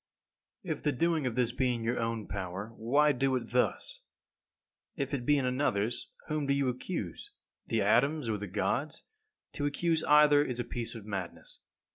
17. If the doing of this be in your own power, why do it thus? If it be in another's, whom do you accuse? The atoms or the Gods? To accuse either is a piece of madness.